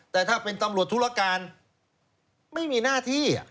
แต่ถ้าเป็นตำรวจธุรการไม่มีหน้าที่